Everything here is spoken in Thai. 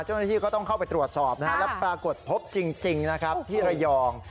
เจ้าหน้าที่ก็ต้องเข้าไปตรวจสอบนะฮะแล้วปรากฏพบจริงนะครับที่ระยอง